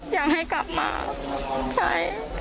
อยากให้กลับมาใช้